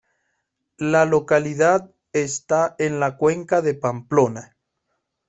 La localidad está en en la Cuenca de Pamplona.